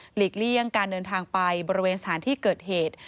เลี่ยงการเดินทางไปบริเวณสถานที่เกิดเหตุ